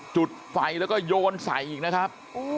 จุดไฟแล้วก็โยนใส่อีกนะครับ